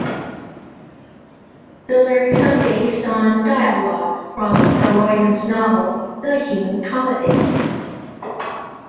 The lyrics are based on dialogue from Saroyan's novel "The Human Comedy".